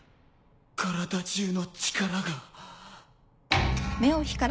体中の力が。